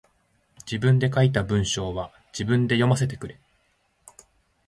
自分で書いた文章は自分で読ませてくれ。